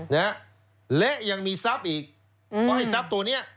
และยังมีทรัพย์อีกเพราะทรัพย์ตัวนี้